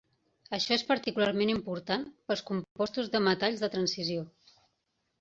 Això és particularment important pels compostos de metalls de transició.